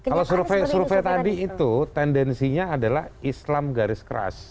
kalau survei survei tadi itu tendensinya adalah islam garis keras